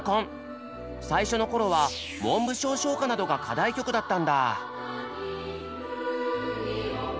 最初の頃は文部省唱歌などが課題曲だったんだ。